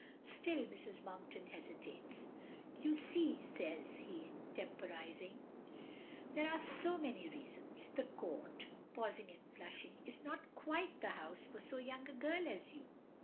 Still Mrs. Monkton hesitates. "You see," says she temporizing, "there are so many reasons. The Court," pausing and flushing, "is not quite the house for so young a girl as you."